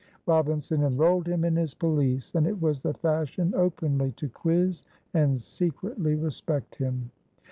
Robinson enrolled him in his police and it was the fashion openly to quiz, and secretly respect him.